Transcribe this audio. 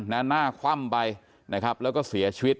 หน้าคว่ำไปนะครับแล้วก็เสียชีวิต